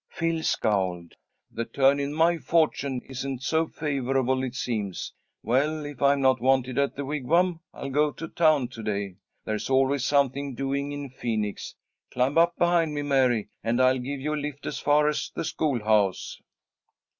Phil scowled. "The turn in my fortune isn't so favourable, it seems. Well, if I'm not wanted at the Wigwam I'll go to town to day. There's always something doing in Phoenix. Climb up behind me, Mary, and I'll give you a lift as far as the schoolhouse."